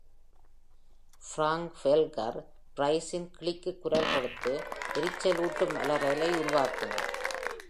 Frank Welker, ஃப்ரைஸின் கிளிக்கு குரல் கொடுத்து, எரிச்சலூட்டும் அலறலை உருவாக்கினார்.